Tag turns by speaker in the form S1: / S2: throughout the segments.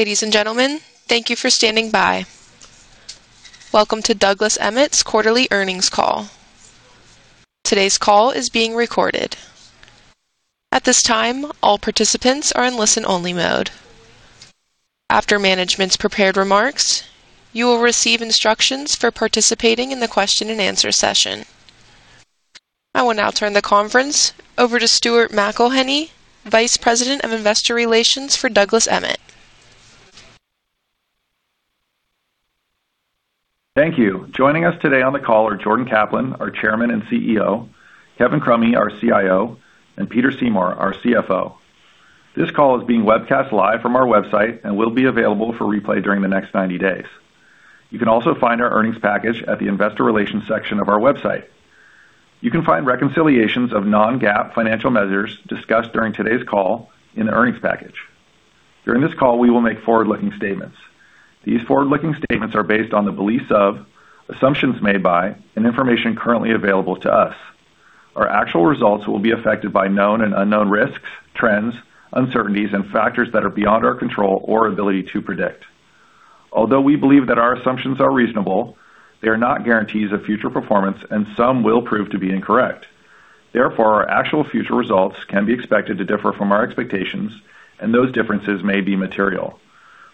S1: Ladies and gentlemen, thank you for standing by. Welcome to Douglas Emmett's Quarterly Earnings Call. Today's call is being recorded. At this time, all participants are in listen-only mode. After management's prepared remarks, you will receive instructions for participating in the question and answer session. I will now turn the conference over to Stuart McElhinney, Vice President of Investor Relations for Douglas Emmett.
S2: Thank you. Joining us today on the call are Jordan Kaplan, our Chairman and CEO, Kevin Crummy, our CIO, and Peter Seymour, our CFO. This call is being webcast live from our website and will be available for replay during the next 90 days. You can also find our earnings package at the investor relations section of our website. You can find reconciliations of non-GAAP financial measures discussed during today's call in the earnings package. During this call, we will make forward-looking statements. These forward-looking statements are based on the beliefs of, assumptions made by, and information currently available to us. Our actual results will be affected by known and unknown risks, trends, uncertainties, and factors that are beyond our control or ability to predict. Although we believe that our assumptions are reasonable, they are not guarantees of future performance and some will prove to be incorrect. Therefore, our actual future results can be expected to differ from our expectations, and those differences may be material.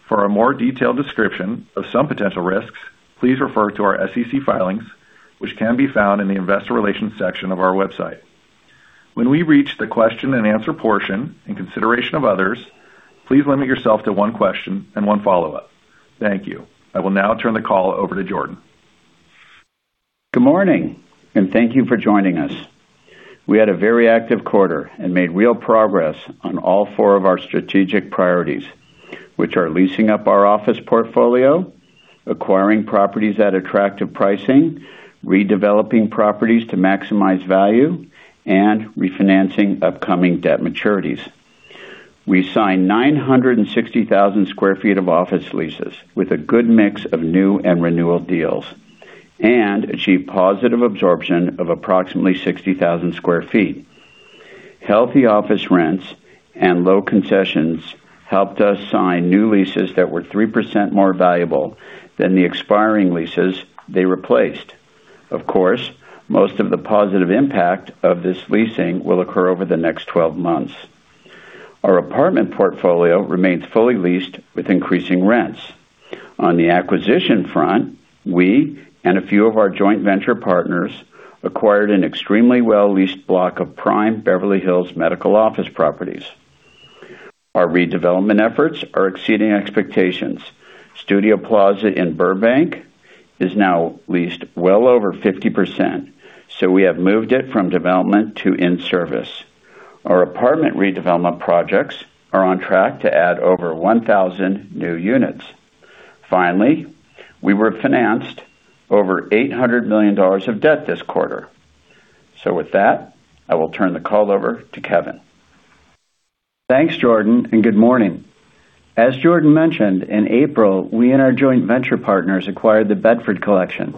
S2: For a more detailed description of some potential risks, please refer to our SEC filings, which can be found in the investor relations section of our website. When we reach the question and answer portion, in consideration of others, please limit yourself to one question and one follow-up. Thank you. I will now turn the call over to Jordan.
S3: Good morning, and thank you for joining us. We had a very active quarter and made real progress on all four of our strategic priorities, which are leasing up our office portfolio, acquiring properties at attractive pricing, redeveloping properties to maximize value, and refinancing upcoming debt maturities. We signed 960,000 sq ft of office leases with a good mix of new and renewal deals and achieved positive absorption of approximately 60,000 sq ft. Healthy office rents and low concessions helped us sign new leases that were 3% more valuable than the expiring leases they replaced. Of course, most of the positive impact of this leasing will occur over the next 12 months. Our apartment portfolio remains fully leased with increasing rents. On the acquisition front, we and a few of our joint venture partners acquired an extremely well-leased block of prime Beverly Hills medical office properties. Our redevelopment efforts are exceeding expectations. Studio Plaza in Burbank is now leased well over 50%, we have moved it from development to in-service. Our apartment redevelopment projects are on track to add over 1,000 new units. Finally, we refinanced over $800 million of debt this quarter. With that, I will turn the call over to Kevin.
S4: Thanks, Jordan, and good morning. As Jordan mentioned, in April, we and our joint venture partners acquired The Bedford Collection,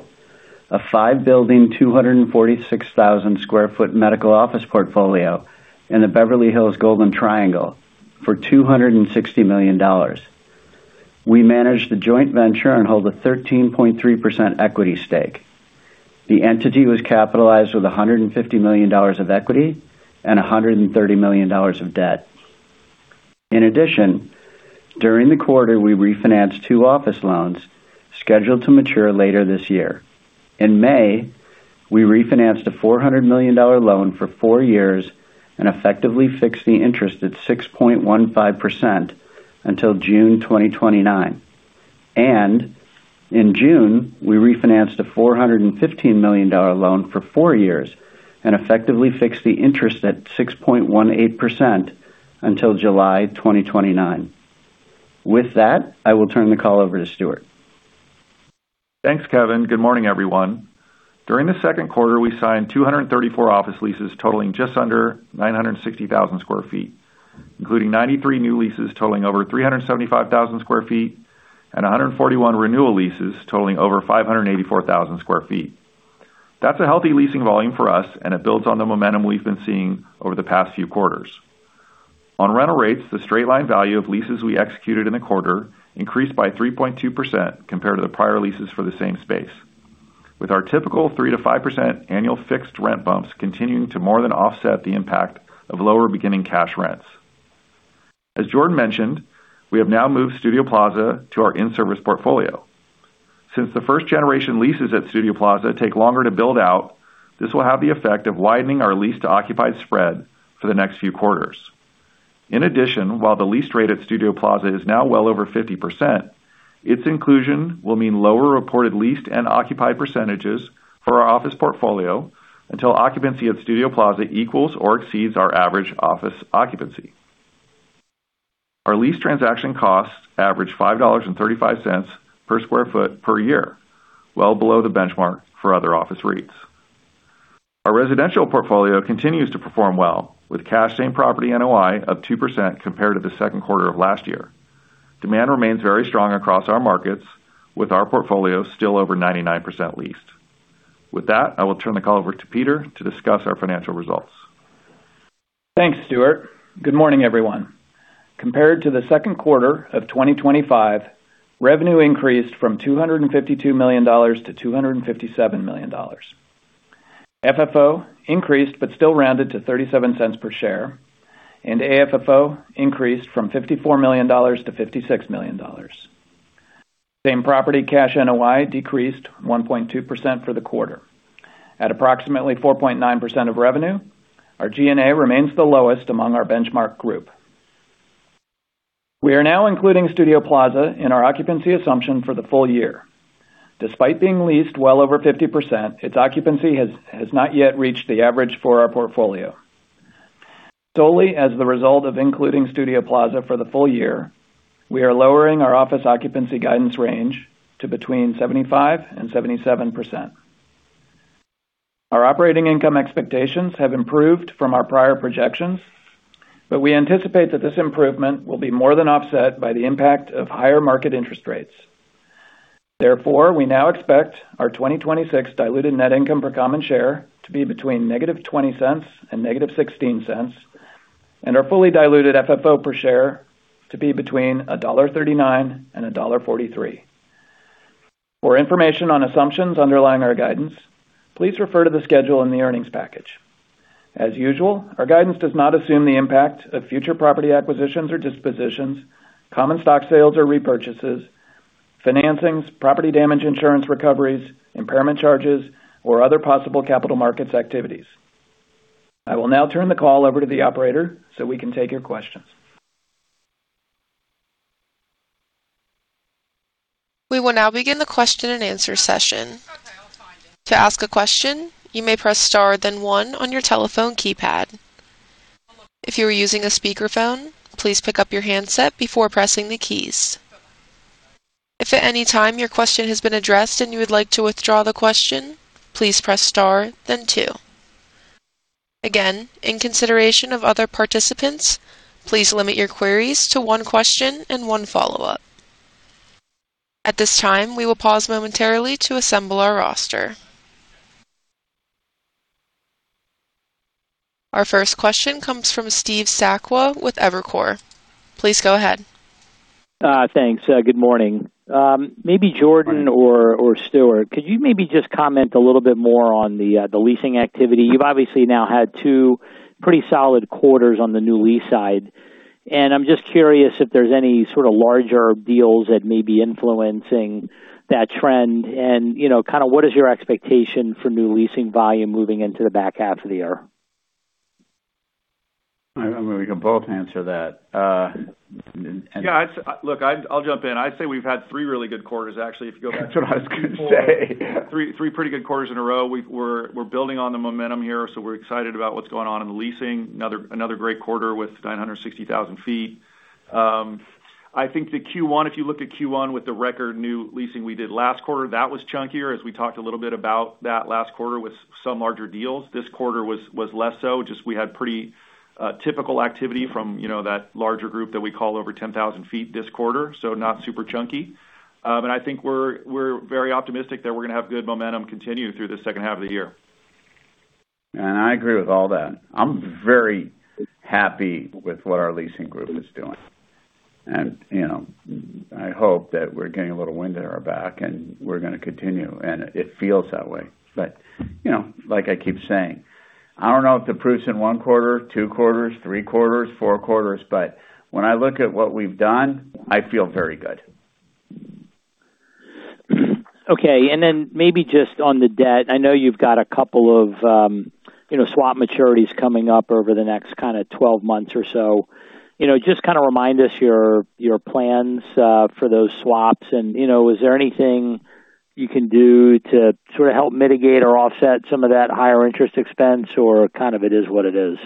S4: a five-building, 246,000 sq ft medical office portfolio in the Beverly Hills Golden Triangle for $260 million. We manage the joint venture and hold a 13.3% equity stake. The entity was capitalized with $150 million of equity and $130 million of debt. In addition, during the quarter, we refinanced two office loans scheduled to mature later this year. In May, we refinanced a $400 million loan for four years and effectively fixed the interest at 6.15% until June 2029. In June, we refinanced a $415 million loan for four years and effectively fixed the interest at 6.18% until July 2029. With that, I will turn the call over to Stuart.
S2: Thanks, Kevin. Good morning, everyone. During the second quarter, we signed 234 office leases totaling just under 960,000 sq ft, including 93 new leases totaling over 375,000 sq ft and 141 renewal leases totaling over 584,000 sq ft. That's a healthy leasing volume for us, and it builds on the momentum we've been seeing over the past few quarters. On rental rates, the straight line value of leases we executed in the quarter increased by 3.2% compared to the prior leases for the same space. With our typical 3%-5% annual fixed rent bumps continuing to more than offset the impact of lower beginning cash rents. As Jordan mentioned, we have now moved Studio Plaza to our in-service portfolio. Since the first-generation leases at Studio Plaza take longer to build out, this will have the effect of widening our leased to occupied spread for the next few quarters. In addition, while the lease rate at Studio Plaza is now well over 50%, its inclusion will mean lower reported leased and occupied percentages for our office portfolio until occupancy at Studio Plaza equals or exceeds our average office occupancy. Our lease transaction costs average $5.35 per sq ft per year, well below the benchmark for other office rates. Our residential portfolio continues to perform well, with cash same-property NOI of 2% compared to the second quarter of last year. Demand remains very strong across our markets, with our portfolio still over 99% leased. With that, I will turn the call over to Peter to discuss our financial results.
S5: Thanks, Stuart. Good morning, everyone. Compared to the second quarter of 2025, revenue increased from $252 million-$257 million. FFO increased, but still rounded to $0.37 per share, and AFFO increased from $54 million-$56 million. Same property cash NOI decreased 1.2% for the quarter. At approximately 4.9% of revenue, our G&A remains the lowest among our benchmark group. We are now including Studio Plaza in our occupancy assumption for the full year. Despite being leased well over 50%, its occupancy has not yet reached the average for our portfolio. Solely as the result of including Studio Plaza for the full year, we are lowering our office occupancy guidance range to between 75%-77%. Our operating income expectations have improved from our prior projections, but we anticipate that this improvement will be more than offset by the impact of higher market interest rates. We now expect our 2026 diluted net income per common share to be between -$0.20 and -$0.16, and our fully diluted FFO per share to be between $1.39-$1.43. For information on assumptions underlying our guidance, please refer to the schedule in the earnings package. As usual, our guidance does not assume the impact of future property acquisitions or dispositions, common stock sales or repurchases, financings, property damage insurance recoveries, impairment charges, or other possible capital markets activities. I will now turn the call over to the operator so we can take your questions.
S1: We will now begin the question and answer session. To ask a question, you may press star then one on your telephone keypad. If you are using a speakerphone, please pick up your handset before pressing the keys. If at any time your question has been addressed and you would like to withdraw the question, please press star then two. Again, in consideration of other participants, please limit your queries to one question and one follow-up. At this time, we will pause momentarily to assemble our roster. Our first question comes from Steve Sakwa with Evercore. Please go ahead.
S6: Thanks. Good morning. Maybe Jordan or Stuart, could you maybe just comment a little bit more on the leasing activity? You've obviously now had two pretty solid quarters on the new lease side. I'm just curious if there's any sort of larger deals that may be influencing that trend. What is your expectation for new leasing volume moving into the back half of the year?
S3: We can both answer that.
S2: Yeah. Look, I'll jump in. I'd say we've had three really good quarters, actually, if you go back-
S3: That's what I was going to say.
S2: -three pretty good quarters in a row. We're building on the momentum here, so we're excited about what's going on in the leasing. Another great quarter with 960,000 ft. I think the Q1, if you look at Q1 with the record new leasing we did last quarter, that was chunkier as we talked a little bit about that last quarter with some larger deals. This quarter was less so, just we had pretty typical activity from that larger group that we call over 10,000 ft this quarter, so not super chunky. I think we're very optimistic that we're going to have good momentum continue through the second half of the year.
S3: I agree with all that. I'm very happy with what our leasing group is doing. I hope that we're getting a little wind at our back and we're going to continue, and it feels that way. Like I keep saying, I don't know if the proof's in one quarter, two quarters, three quarters, four quarters, but when I look at what we've done, I feel very good.
S6: Okay. Then maybe just on the debt, I know you've got a couple of swap maturities coming up over the next kind of 12 months or so. Just kind of remind us your plans for those swaps and is there anything you can do to sort of help mitigate or offset some of that higher interest expense or kind of it is what it is?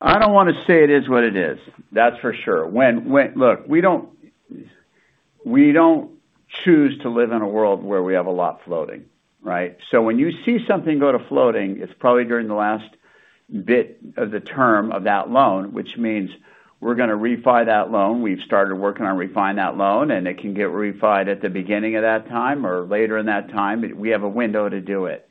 S3: I don't want to say it is what it is, that's for sure. Look, we don't choose to live in a world where we have a lot floating, right? When you see something go to floating, it's probably during the last bit of the term of that loan, which means we're going to refi that loan. We've started working on refi-ing that loan, it can get refied at the beginning of that time or later in that time. We have a window to do it.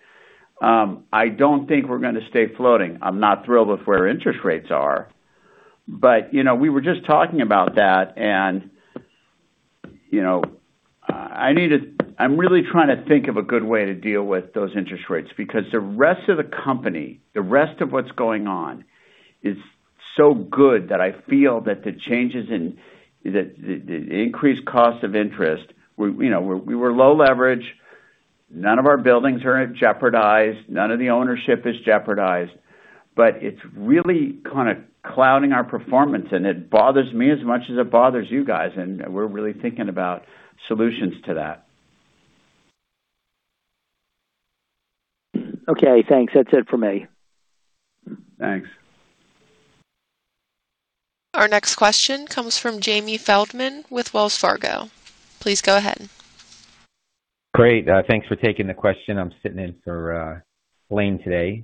S3: I don't think we're going to stay floating. I'm not thrilled with where interest rates are, we were just talking about that and I'm really trying to think of a good way to deal with those interest rates because the rest of the company, the rest of what's going on is so good that I feel that the changes in the increased cost of interest, we were low leverage. None of our buildings are jeopardized. None of the ownership is jeopardized. It's really kind of clouding our performance, it bothers me as much as it bothers you guys, we're really thinking about solutions to that.
S6: Okay, thanks. That's it for me.
S3: Thanks.
S1: Our next question comes from Jamie Feldman with Wells Fargo. Please go ahead.
S7: Great. Thanks for taking the question. I'm sitting in for Blaine today.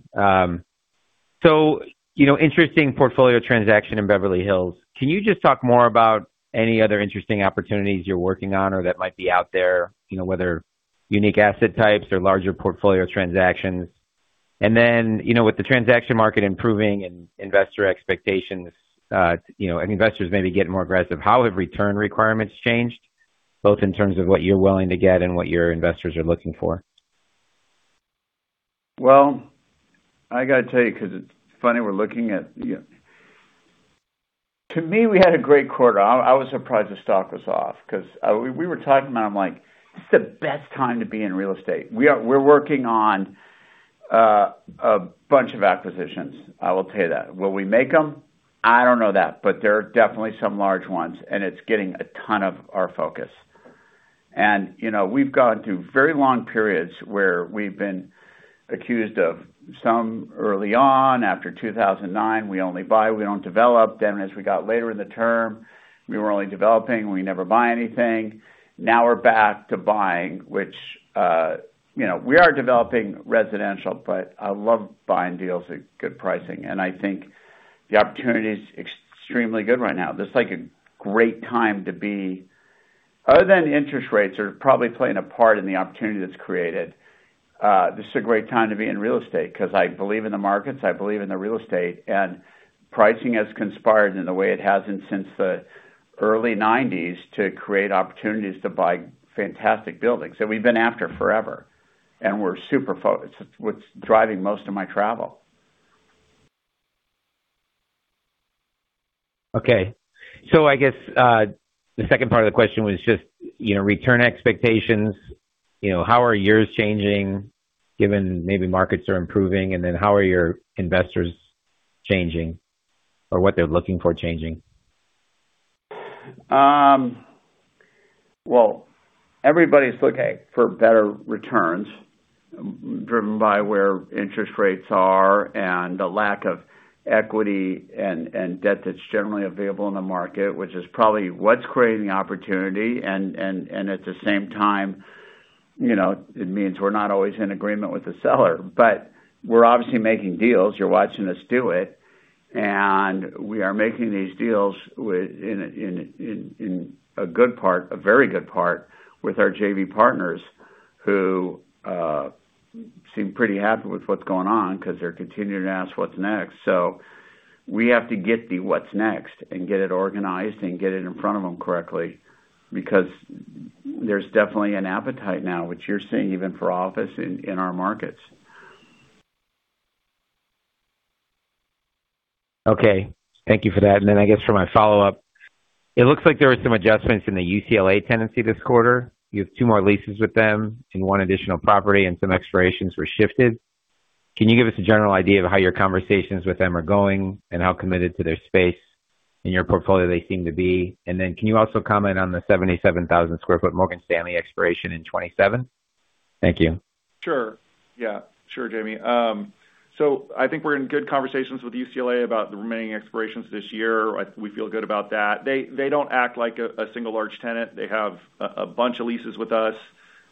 S7: Interesting portfolio transaction in Beverly Hills. Can you just talk more about any other interesting opportunities you're working on or that might be out there, unique asset types or larger portfolio transactions. With the transaction market improving and investor expectations, and investors maybe getting more aggressive, how have return requirements changed, both in terms of what you're willing to get and what your investors are looking for?
S3: Well, I got to tell you, because it's funny, to me, we had a great quarter. I was surprised the stock was off, because we were talking about it, I'm like, "This is the best time to be in real estate." We're working on a bunch of acquisitions, I will tell you that. Will we make them? I don't know that, but there are definitely some large ones, and it's getting a ton of our focus. We've gone through very long periods where we've been accused of some early on, after 2009, we only buy, we don't develop. As we got later in the term, we were only developing, we never buy anything. Now we're back to buying, which we are developing residential, but I love buying deals at good pricing. I think the opportunity's extremely good right now. Other than interest rates are probably playing a part in the opportunity that's created, this is a great time to be in real estate because I believe in the markets, I believe in the real estate, and pricing has conspired in the way it hasn't since the early '90s to create opportunities to buy fantastic buildings that we've been after forever. We're super focused. It's what's driving most of my travel.
S7: Okay. I guess, the second part of the question was just return expectations, how are yours changing given maybe markets are improving, and then how are your investors changing, or what they're looking for changing?
S3: Well, everybody's looking for better returns driven by where interest rates are and the lack of equity and debt that's generally available in the market, which is probably what's creating opportunity. At the same time, it means we're not always in agreement with the seller. We're obviously making deals. You're watching us do it. We are making these deals in a very good part with our JV partners, who seem pretty happy with what's going on because they're continuing to ask what's next. We have to get the what's next and get it organized and get it in front of them correctly, because there's definitely an appetite now, which you're seeing even for office in our markets.
S7: Okay. Thank you for that. I guess for my follow-up, it looks like there were some adjustments in the UCLA tenancy this quarter. You have two more leases with them and one additional property and some expirations were shifted. Can you give us a general idea of how your conversations with them are going and how committed to their space in your portfolio they seem to be? Can you also comment on the 77,000 sq ft Morgan Stanley expiration in 2027? Thank you.
S2: Sure. Yeah. Sure, Jamie. I think we're in good conversations with UCLA about the remaining expirations this year. We feel good about that. They don't act like a single large tenant. They have a bunch of leases with us.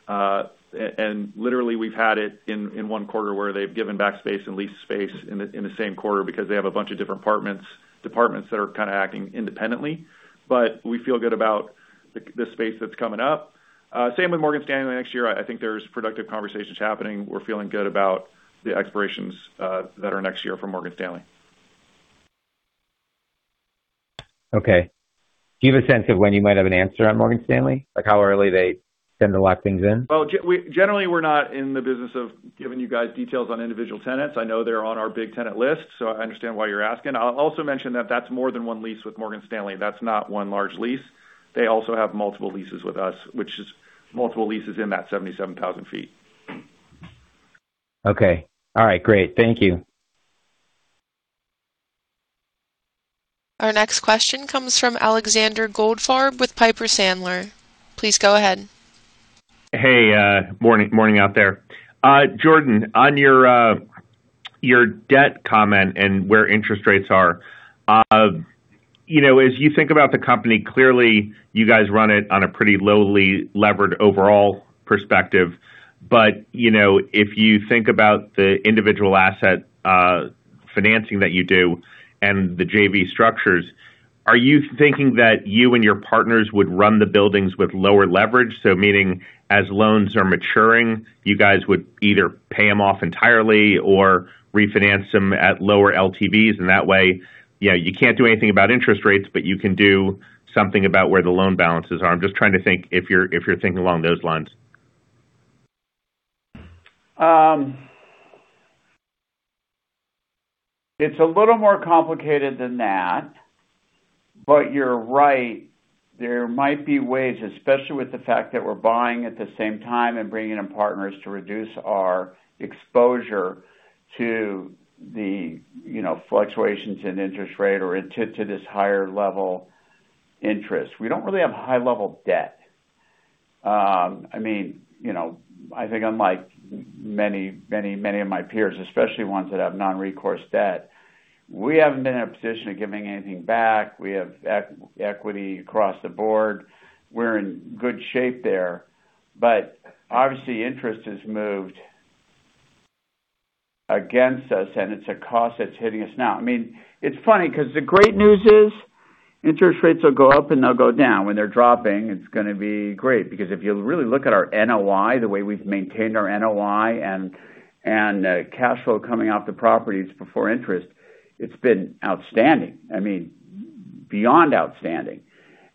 S2: Literally we've had it in one quarter where they've given back space and leased space in the same quarter because they have a bunch of different departments that are kind of acting independently. We feel good about the space that's coming up. Same with Morgan Stanley next year. I think there's productive conversations happening. We're feeling good about the expirations that are next year for Morgan Stanley.
S7: Okay. Do you have a sense of when you might have an answer on Morgan Stanley? Like how early they tend to lock things in?
S2: Well, generally, we're not in the business of giving you guys details on individual tenants. I know they're on our big tenant list, so I understand why you're asking. I'll also mention that that's more than one lease with Morgan Stanley. That's not one large lease. They also have multiple leases with us, which is multiple leases in that 77,000 ft.
S7: Okay. All right, great. Thank you.
S1: Our next question comes from Alexander Goldfarb with Piper Sandler. Please go ahead.
S8: Hey, morning out there. Jordan, on your debt comment and where interest rates are, as you think about the company, clearly, you guys run it on a pretty lowly levered overall perspective. If you think about the individual asset financing that you do and the JV structures, are you thinking that you and your partners would run the buildings with lower leverage? Meaning, as loans are maturing, you guys would either pay them off entirely or refinance them at lower LTVs, and that way, yeah, you can't do anything about interest rates, but you can do something about where the loan balances are. I'm just trying to think if you're thinking along those lines.
S3: It's a little more complicated than that, you're right. There might be ways, especially with the fact that we're buying at the same time and bringing in partners to reduce our exposure to the fluctuations in interest rate or to this higher level interest. We don't really have high level debt. I think unlike many of my peers, especially ones that have non-recourse debt, we haven't been in a position of giving anything back. We have equity across the board. We're in good shape there. Obviously interest has moved against us, and it's a cost that's hitting us now. It's funny because the great news is interest rates will go up and they'll go down. When they're dropping, it's going to be great, because if you really look at our NOI, the way we've maintained our NOI and cash flow coming off the properties before interest, it's been outstanding. I mean, beyond outstanding.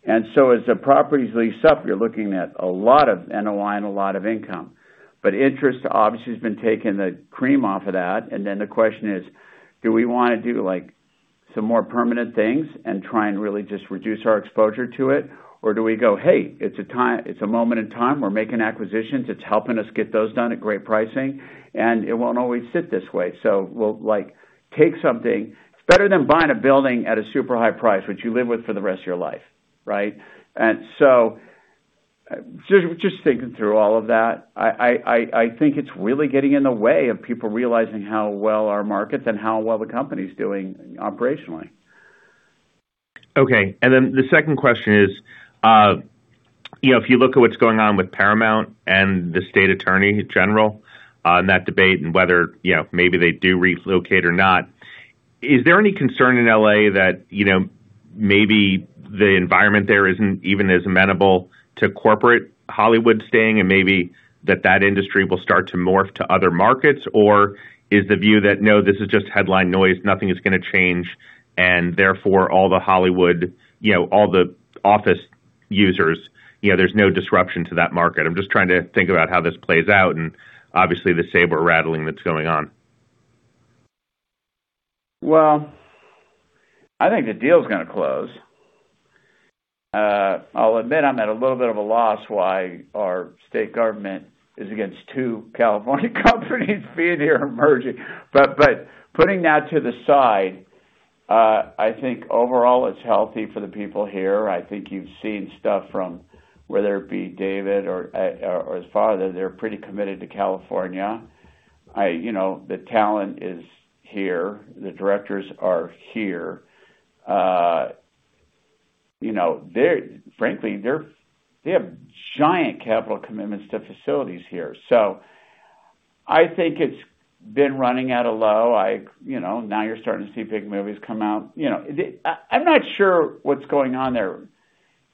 S3: As the properties lease up, you're looking at a lot of NOI and a lot of income. Interest, obviously, has been taking the cream off of that, and then the question is, do we want to do some more permanent things and try and really just reduce our exposure to it? Do we go, "Hey, it's a moment in time. We're making acquisitions. It's helping us get those done at great pricing, and it won't always sit this way." We'll take something. It's better than buying a building at a super high price, which you live with for the rest of your life. Right? Just thinking through all of that, I think it's really getting in the way of people realizing how well our markets and how well the company's doing operationally.
S8: Okay. The second question is, if you look at what's going on with Paramount and the state attorney general on that debate and whether maybe they do relocate or not, is there any concern in L.A. that maybe the environment there isn't even as amenable to corporate Hollywood staying, and maybe that that industry will start to morph to other markets? Or is the view that, no, this is just headline noise, nothing is going to change, and therefore all the Hollywood, all the office users, there's no disruption to that market? I'm just trying to think about how this plays out and obviously the saber-rattling that's going on.
S3: Well, I think the deal's going to close. I'll admit I'm at a little bit of a loss why our state government is against two California companies being here and merging. Putting that to the side, I think overall, it's healthy for the people here. I think you've seen stuff from, whether it be David or his father, they're pretty committed to California. The talent is here. The directors are here. Frankly, they have giant capital commitments to facilities here. I think it's been running at a low. Now you're starting to see big movies come out. I'm not sure what's going on there,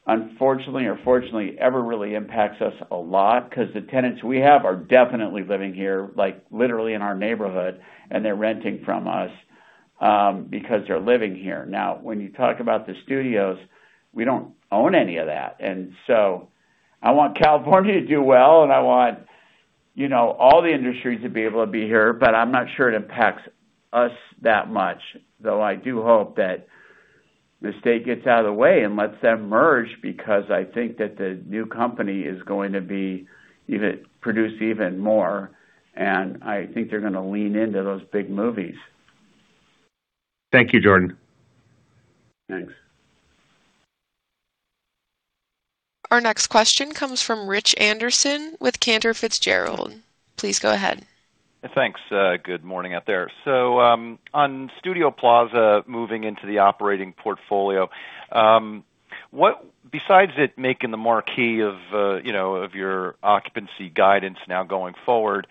S3: unfortunately or fortunately, ever really impacts us a lot because the tenants we have are definitely living here, like, literally in our neighborhood, and they're renting from us, because they're living here. Now, when you talk about the studios, we don't own any of that. I want California to do well, and I want all the industries to be able to be here, but I'm not sure it impacts us that much. Though I do hope that the state gets out of the way and lets them merge because I think that the new company is going to produce even more, and I think they're going to lean into those big movies.
S8: Thank you, Jordan.
S3: Thanks.
S1: Our next question comes from Rich Anderson with Cantor Fitzgerald. Please go ahead.
S9: Thanks. Good morning out there. On Studio Plaza moving into the operating portfolio, besides it making the marquee of your occupancy guidance now going forward,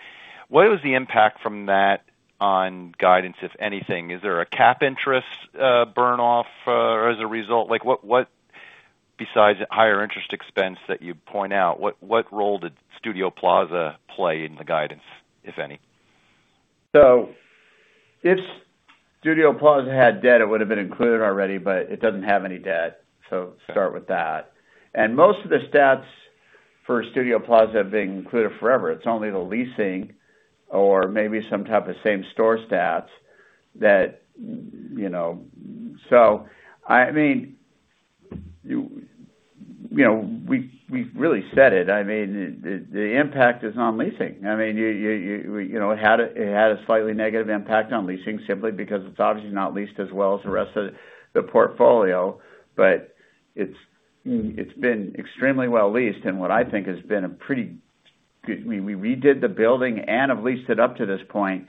S9: what was the impact from that on guidance, if anything? Is there a cap interest burn-off as a result? Besides higher interest expense that you point out, what role did Studio Plaza play in the guidance, if any?
S3: If Studio Plaza had debt, it would've been included already, but it doesn't have any debt. Start with that. Most of the stats for Studio Plaza have been included forever. It's only the leasing or maybe some type of same store stats. We've really said it. The impact is on leasing. It had a slightly negative impact on leasing simply because it's obviously not leased as well as the rest of the portfolio, but it's been extremely well leased. We redid the building and have leased it up to this point,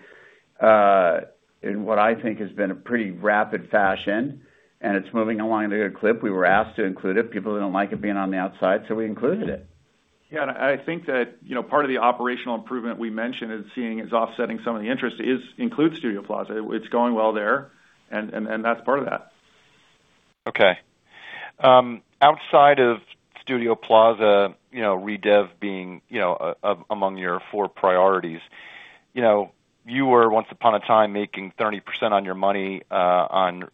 S3: in what I think has been a pretty rapid fashion, and it's moving along at a good clip. We were asked to include it. People didn't like it being on the outside, so we included it.
S2: Yeah, I think that part of the operational improvement we mentioned is seeing as offsetting some of the interest includes Studio Plaza. It's going well there, and that's part of that.
S9: Okay. Outside of Studio Plaza redev being among your four priorities. You were once upon a time making 30% on your money on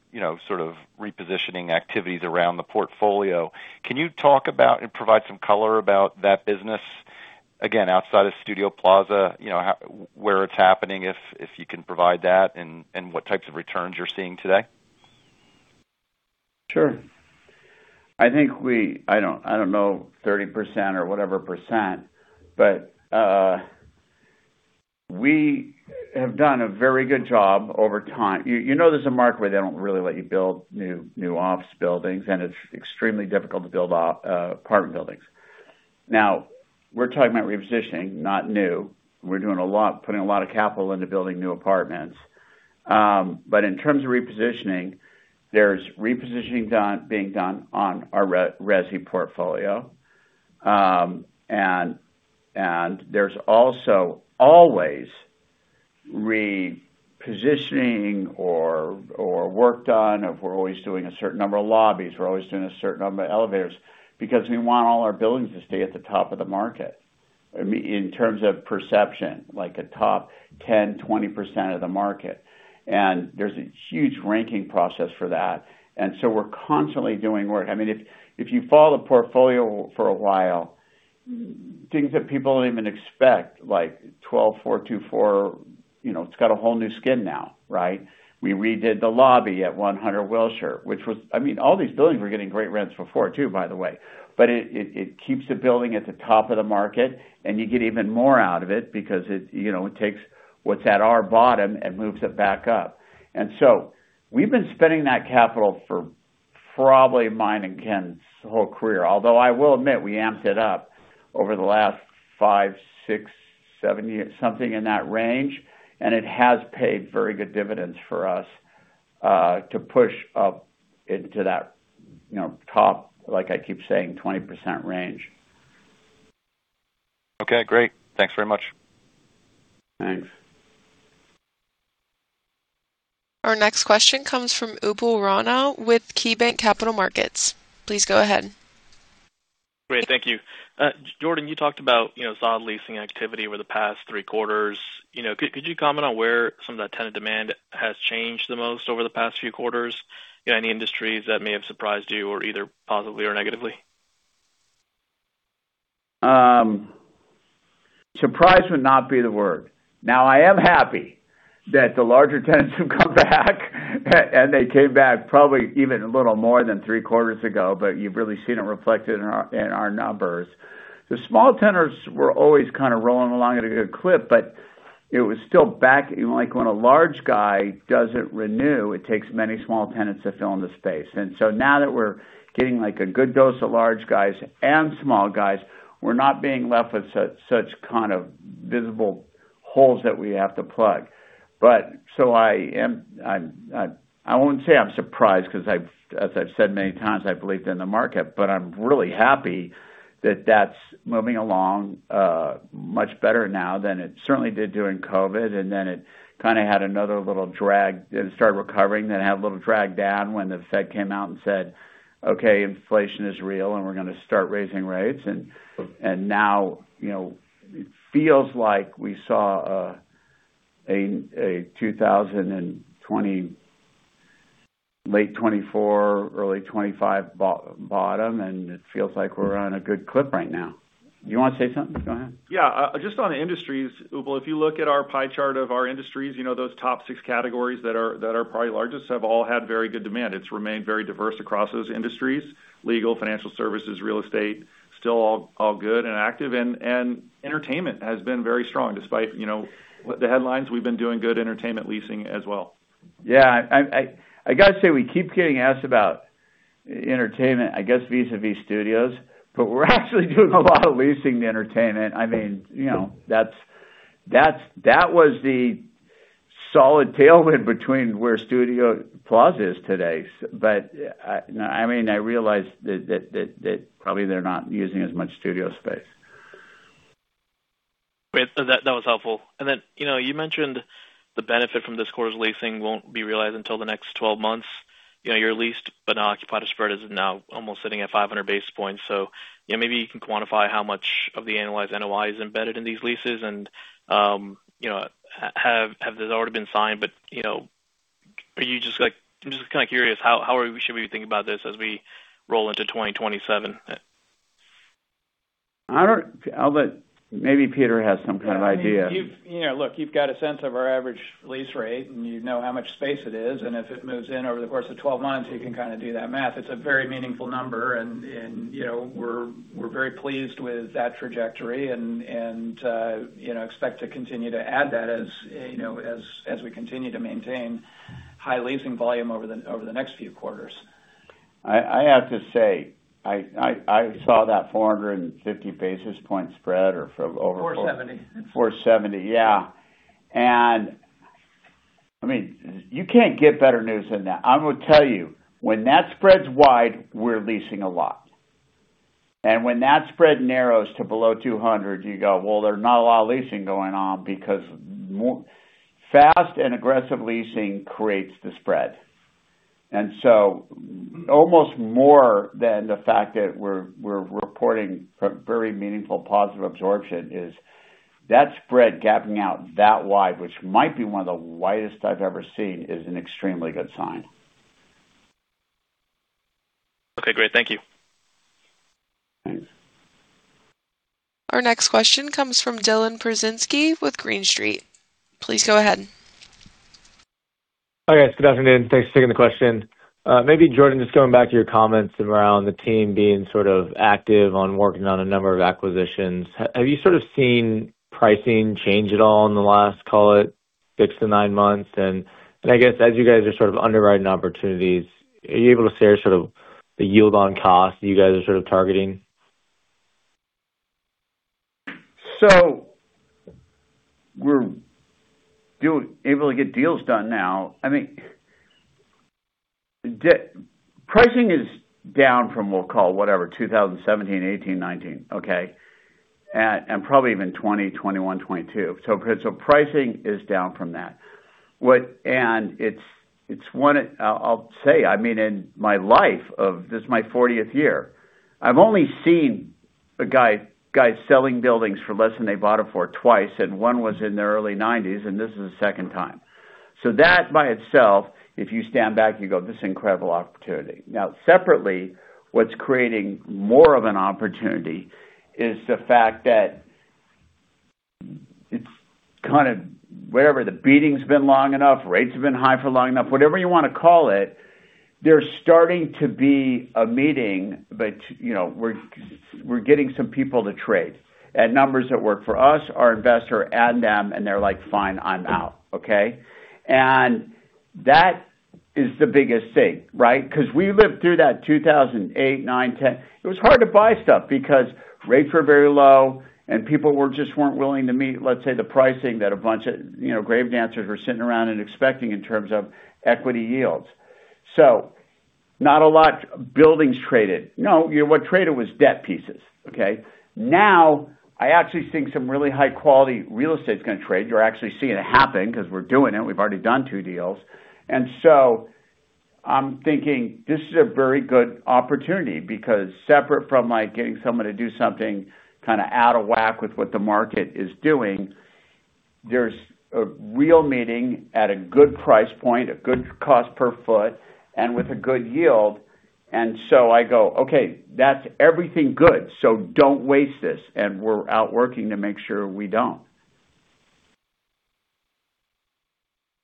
S9: repositioning activities around the portfolio. Can you talk about and provide some color about that business, again, outside of Studio Plaza, where it's happening, if you can provide that and what types of returns you're seeing today?
S3: Sure. I don't know, 30% or whatever percent, we have done a very good job over time. You know there's a mark where they don't really let you build new office buildings, and it's extremely difficult to build apartment buildings. We're talking about repositioning, not new. We're doing a lot, putting a lot of capital into building new apartments. In terms of repositioning, there's repositioning being done on our resi portfolio. There's also always repositioning or work done of we're always doing a certain number of lobbies, we're always doing a certain number of elevators because we want all our buildings to stay at the top of the market, in terms of perception, like a top 10%, 20% of the market. There's a huge ranking process for that. We're constantly doing work. If you follow the portfolio for a while, things that people don't even expect, like 12424, it's got a whole new skin now. We redid the lobby at 100 Wilshire. All these buildings were getting great rents before too, by the way. It keeps the building at the top of the market, and you get even more out of it because it takes what's at our bottom and moves it back up. We've been spending that capital for probably mine and Ken's whole career. Although I will admit we amped it up over the last five, six, seven years, something in that range, and it has paid very good dividends for us, to push up into that top, like I keep saying, 20% range.
S9: Okay, great. Thanks very much.
S3: Thanks.
S1: Our next question comes from Upal Rana with KeyBanc Capital Markets. Please go ahead.
S10: Great. Thank you. Jordan, you talked about solid leasing activity over the past three quarters. Could you comment on where some of that tenant demand has changed the most over the past few quarters? Any industries that may have surprised you or either positively or negatively?
S3: Surprise would not be the word. Now, I am happy that the larger tenants have come back and they came back probably even a little more than three quarters ago, but you've really seen it reflected in our numbers. The small tenants were always kind of rolling along at a good clip, but it was still back, like when a large guy doesn't renew, it takes many small tenants to fill in the space. Now that we're getting a good dose of large guys and small guys, we're not being left with such kind of visible holes that we have to plug. I won't say I'm surprised because as I've said many times, I believed in the market, but I'm really happy that that's moving along much better now than it certainly did during COVID, and then it kind of had another little drag. It started recovering, then had a little drag down when the Fed came out and said, "Okay, inflation is real and we're going to start raising rates." Now, it feels like we saw a late 2024, early 2025 bottom, and it feels like we're on a good clip right now. You want to say something? Go ahead.
S2: Yeah. Just on the industries, Upal, if you look at our pie chart of our industries, those top six categories that are probably largest have all had very good demand. It's remained very diverse across those industries. Legal, financial services, real estate, still all good and active, and entertainment has been very strong. Despite the headlines, we've been doing good entertainment leasing as well.
S3: Yeah. I got to say, we keep getting asked about entertainment, I guess, vis-à-vis studios, but we're actually doing a lot of leasing to entertainment. That was the solid tailwind between where Studio Plaza is today. I realize that probably they're not using as much studio space.
S10: Great. That was helpful. You mentioned the benefit from this quarter's leasing won't be realized until the next 12 months. Your leased but unoccupied spread is now almost sitting at 500 basis points. Maybe you can quantify how much of the analyzed NOI is embedded in these leases and have those already been signed, but I'm just kind of curious, how should we be thinking about this as we roll into 2027?
S3: Maybe Peter has some kind of idea.
S5: You've got a sense of our average lease rate, and you know how much space it is, and if it moves in over the course of 12 months, you can kind of do that math. It's a very meaningful number, and we're very pleased with that trajectory and expect to continue to add that as we continue to maintain high leasing volume over the next few quarters.
S3: I have to say, I saw that 450 basis point spread.
S5: 470.
S3: 470, yeah. You can't get better news than that. I will tell you, when that spreads wide, we're leasing a lot. When that spread narrows to below 200, you go, "Well, there's not a lot of leasing going on," because fast and aggressive leasing creates the spread. Almost more than the fact that we're reporting very meaningful positive absorption is that spread gapping out that wide, which might be one of the widest I've ever seen, is an extremely good sign.
S10: Okay, great. Thank you.
S3: Thanks.
S1: Our next question comes from Dylan Burzinski with Green Street. Please go ahead.
S11: Okay. Good afternoon. Thanks for taking the question. Maybe Jordan, just going back to your comments around the team being sort of active on working on a number of acquisitions, have you sort of seen pricing change at all in the last, call it six-nine months? I guess as you guys are sort of underwriting opportunities, are you able to share sort of the yield on cost you guys are sort of targeting?
S3: We're able to get deals done now. Pricing is down from, we'll call, whatever, 2017, 2018, 2019. Okay? Probably even 2020, 2021, 2022. Pricing is down from that. I'll say, in my life of, this is my 40th year, I've only seen guys selling buildings for less than they bought it for twice, and one was in the early 1990s, and this is the second time. That by itself, if you stand back, you go, "This is an incredible opportunity." Separately, what's creating more of an opportunity is the fact that it's kind of whatever the beating's been long enough, rates have been high for long enough, whatever you want to call it, they're starting to be a meeting. We're getting some people to trade at numbers that work for us, our investor, and them, and they're like, "Fine, I'm out." Okay? That is the biggest thing, right? Because we lived through that 2008, 2009, 2010. It was hard to buy stuff because rates were very low and people just weren't willing to meet, let's say, the pricing that a bunch of grave dancers were sitting around and expecting in terms of equity yields. Not a lot of buildings traded. No, what traded was debt pieces, okay? I actually think some really high-quality real estate's going to trade. You're actually seeing it happen because we're doing it. We've already done two deals. I'm thinking this is a very good opportunity because separate from getting someone to do something out of whack with what the market is doing, there's a real meeting at a good price point, a good cost per foot, and with a good yield. I go, "Okay, that's everything good, so don't waste this." We're out working to make sure we don't.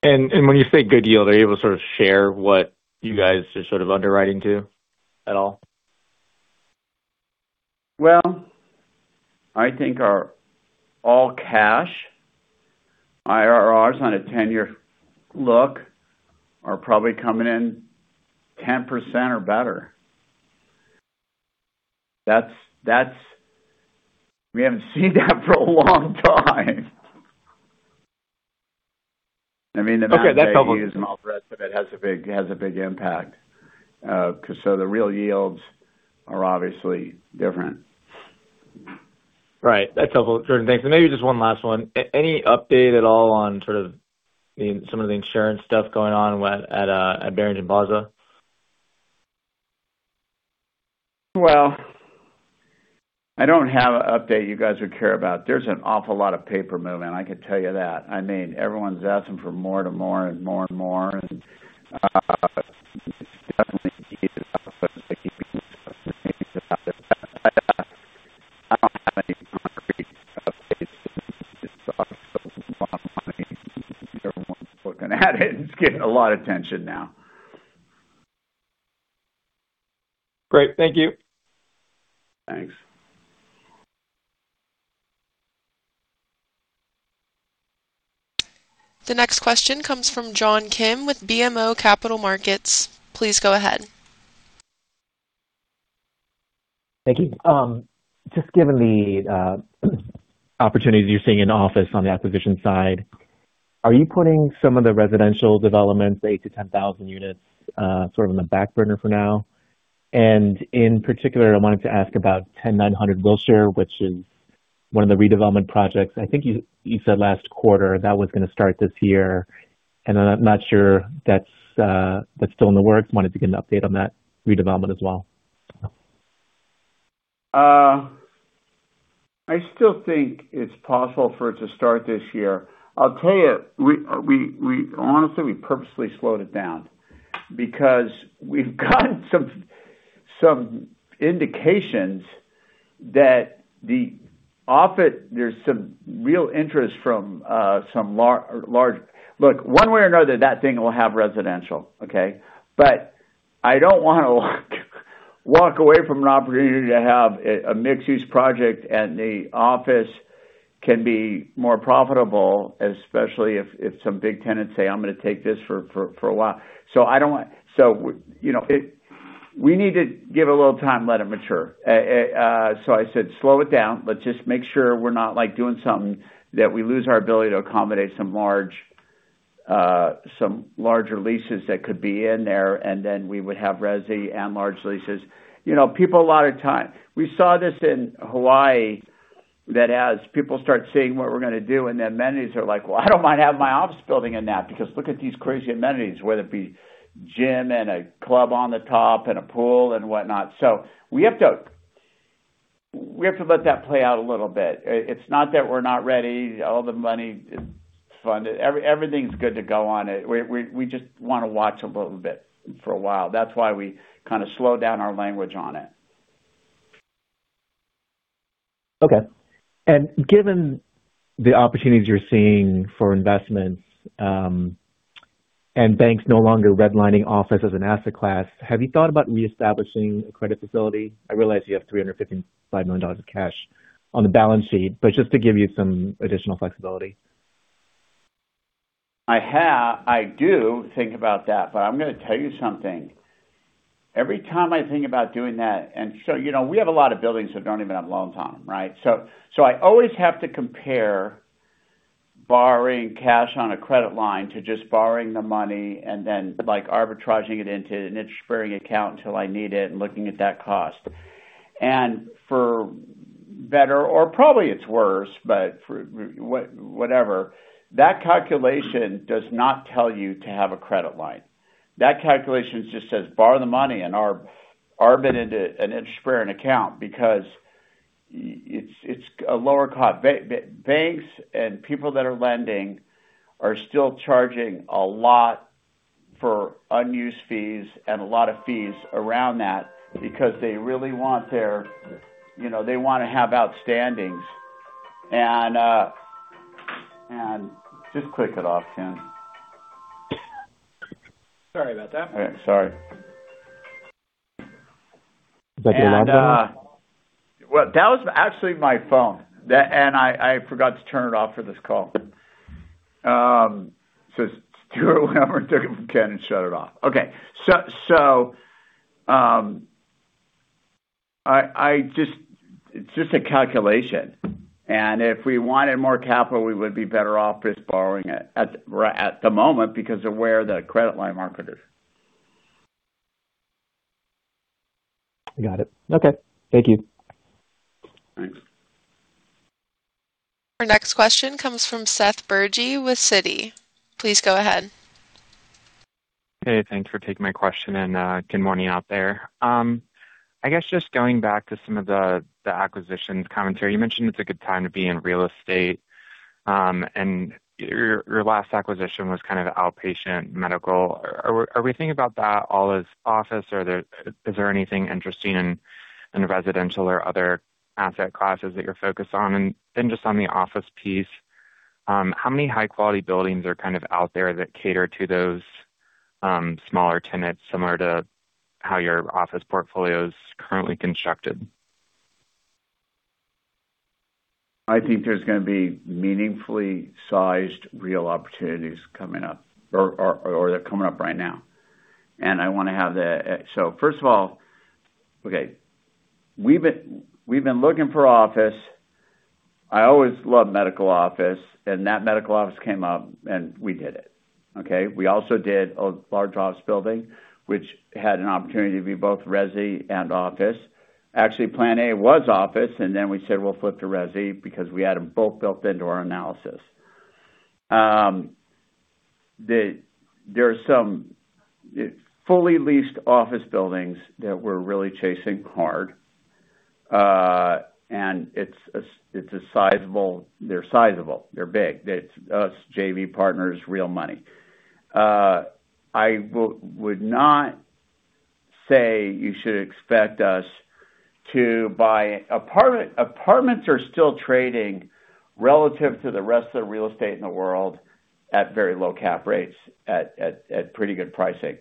S11: When you say good yield, are you able to share what you guys are underwriting to at all?
S3: Well, I think our all-cash IRRs on a 10-year look are probably coming in 10% or better. We haven't seen that for a long time.
S11: Okay. That's helpful
S3: All the rest of it has a big impact. The real yields are obviously different.
S11: Right. That's helpful, Jordan. Thanks. Maybe just one last one. Any update at all on some of the insurance stuff going on at Barrington Baza?
S3: I don't have an update you guys would care about. There's an awful lot of paper movement, I can tell you that. Everyone's asking for more to more and more and more. It doesn't make it easier, but they keep getting a lot of attention now.
S11: Great. Thank you.
S3: Thanks.
S1: The next question comes from John Kim with BMO Capital Markets. Please go ahead.
S12: Thank you. Just given the opportunities you're seeing in office on the acquisition side, are you putting some of the residential developments, 8,000-10,000 units, sort of on the back burner for now? In particular, I wanted to ask about 10900 Wilshire, which is one of the redevelopment projects. I think you said last quarter that was going to start this year. I'm not sure that's still in the works. I wanted to get an update on that redevelopment as well.
S3: I still think it's possible for it to start this year. I'll tell you, honestly, we purposely slowed it down because we've gotten some indications that there's some real interest from some large. One way or another, that thing will have residential, okay? I don't want to walk away from an opportunity to have a mixed-use project, and the office can be more profitable, especially if some big tenants say, "I'm going to take this for a while." We need to give a little time, let it mature. I said, "Slow it down. Let's just make sure we're not doing something that we lose our ability to accommodate some larger leases that could be in there," and then we would have resi and large leases. We saw this in Hawaii, that as people start seeing what we're going to do and the amenities, they're like, "Well, I don't mind having my office building in that," because look at these crazy amenities, whether it be gym and a club on the top and a pool and whatnot. We have to let that play out a little bit. It's not that we're not ready. All the money is funded. Everything's good to go on it. We just want to watch a little bit for a while. That's why we kind of slowed down our language on it.
S12: Okay. Given the opportunities you're seeing for investments, and banks no longer redlining office as an asset class, have you thought about reestablishing a credit facility? I realize you have $355 million of cash on the balance sheet, but just to give you some additional flexibility.
S3: I do think about that. I'm going to tell you something. Every time I think about doing that, we have a lot of buildings that don't even have loans on them, right? I always have to compare borrowing cash on a credit line to just borrowing the money and then arbitraging it into an interest-bearing account until I need it, and looking at that cost. For better, or probably it's worse, but for whatever, that calculation does not tell you to have a credit line. That calculation just says borrow the money and arb it into an interest-bearing account because it's a lower cost. Banks and people that are lending are still charging a lot for unused fees and a lot of fees around that because they really want to have outstandings. Just click it off, Ken.
S5: Sorry about that.
S3: All right. Sorry.
S12: Is that your alarm clock?
S3: Well, that was actually my phone. I forgot to turn it off for this call. Stuart, whenever, took it from Ken and shut it off. Okay. It's just a calculation, and if we wanted more capital, we would be better off just borrowing it at the moment because of where the credit line market is.
S12: I got it. Okay. Thank you.
S3: Thanks.
S1: Our next question comes from Seth Bergey with Citi. Please go ahead.
S13: Hey, thanks for taking my question. Good morning out there. I guess just going back to some of the acquisitions commentary. You mentioned it's a good time to be in real estate. Your last acquisition was kind of outpatient medical. Are we thinking about that all as office, or is there anything interesting in residential or other asset classes that you're focused on? Then just on the office piece, how many high-quality buildings are out there that cater to those smaller tenants, similar to how your office portfolio is currently constructed?
S3: I think there's going to be meaningfully sized real opportunities coming up, or they're coming up right now. First of all, okay, we've been looking for office. I always love medical office. That medical office came up, and we did it. Okay? We also did a large office building, which had an opportunity to be both resi and office. Actually, plan A was office, and then we said we'll flip to resi because we had them both built into our analysis. There are some fully leased office buildings that we're really chasing hard. They're sizable. They're big. It's us, JV partners, real money. I would not say you should expect us to buy apartment. Apartments are still trading relative to the rest of the real estate in the world at very low cap rates, at pretty good pricing.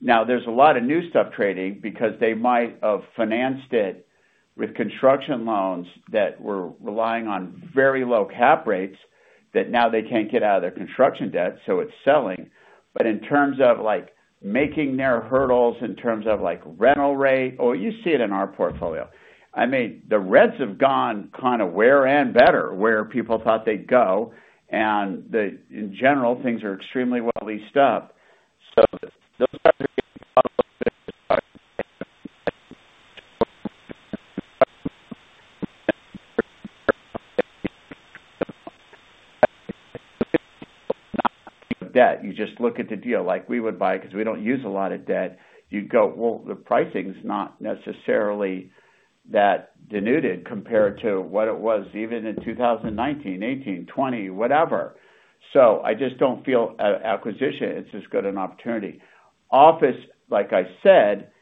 S3: There's a lot of new stuff trading because they might have financed it with construction loans that were relying on very low cap rates that now they can't get out of their construction debt, so it's selling. In terms of making their hurdles, in terms of rental rate, you see it in our portfolio. The res have gone where and better where people thought they'd go. In general, things are extremely well leased up. Those kinds of debt, you just look at the deal like we would buy it because we don't use a lot of debt. You'd go, "Well, the pricing's not necessarily that denuded compared to what it was even in 2019, 2018, 2020, whatever." I just don't feel acquisition is as good an opportunity. Office, like I said,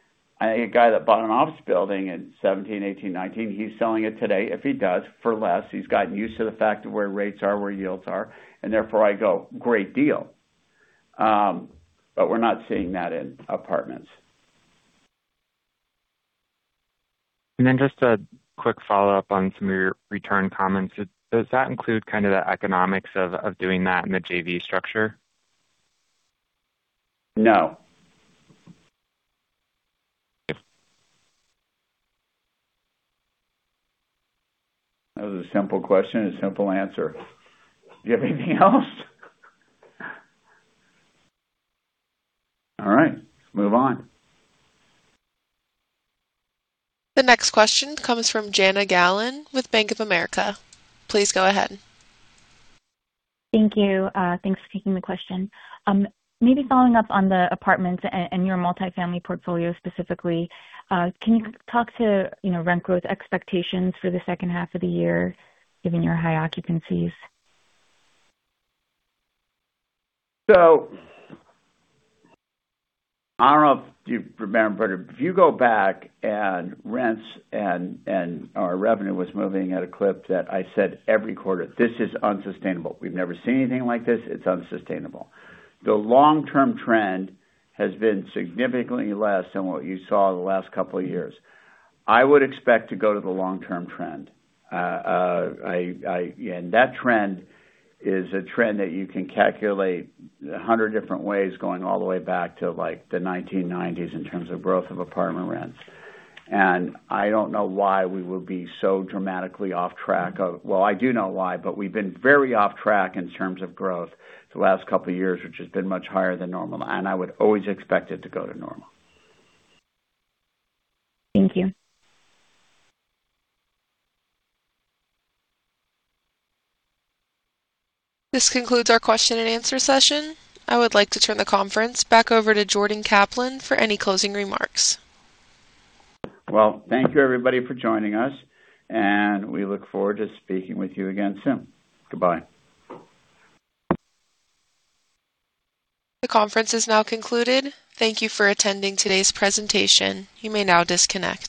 S3: a guy that bought an office building in 2017, 2018, 2019, he's selling it today, if he does, for less. He's gotten used to the fact of where rates are, where yields are, and therefore I go, "Great deal." We're not seeing that in apartments.
S13: Just a quick follow-up on some of your return comments. Does that include kind of the economics of doing that in the JV structure?
S3: No.
S13: Okay.
S3: That was a simple question and a simple answer. Do you have anything else? All right. Move on.
S1: The next question comes from Jana Galan with Bank of America. Please go ahead.
S14: Thank you. Thanks for taking the question. Maybe following up on the apartments and your multifamily portfolio specifically, can you talk to rent growth expectations for the second half of the year, given your high occupancies?
S3: I don't know if you remember, but if you go back and rents and our revenue was moving at a clip that I said every quarter, "This is unsustainable. We've never seen anything like this. It's unsustainable." The long-term trend has been significantly less than what you saw the last couple of years. I would expect to go to the long-term trend. That trend is a trend that you can calculate 100 different ways going all the way back to the 1990s in terms of growth of apartment rents. I don't know why we would be so dramatically off track of Well, I do know why, but we've been very off track in terms of growth the last couple of years, which has been much higher than normal. I would always expect it to go to normal.
S14: Thank you.
S1: This concludes our question and answer session. I would like to turn the conference back over to Jordan Kaplan for any closing remarks.
S3: Well, thank you, everybody, for joining us, and we look forward to speaking with you again soon. Goodbye.
S1: The conference is now concluded. Thank you for attending today's presentation. You may now disconnect.